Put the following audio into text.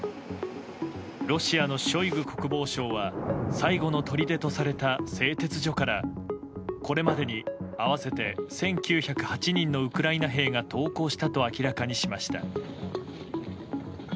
ロシアのショイグ国防相は最後のとりでとされた製鉄所からこれまでに合わせて１９０８人のウクライナ兵が投降したと明らかにしました。